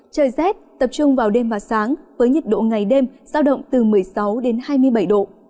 trời rét tập trung vào đêm và sáng với nhiệt độ ngày đêm giao động từ một mươi sáu đến hai mươi bảy độ